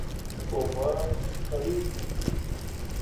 اوبه سړې دي.